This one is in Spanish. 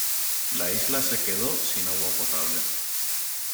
La isla se quedó sin agua potable.